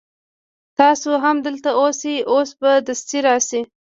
تاسو هم دلته اوسئ اوس به دستي راسي.